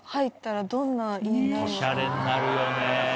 おしゃれになるよねぇ。